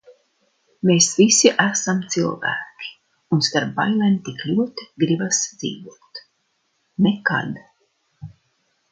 Mēs visi esam cilvēki un starp bailēm tik ļoti gribas dzīvot. Nekad.